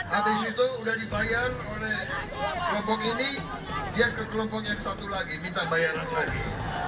habis itu udah dibayar oleh kelompok ini dia ke kelompok yang satu lagi minta bayaran lagi